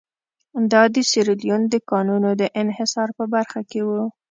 دا د سیریلیون د کانونو د انحصار په برخه کې وو.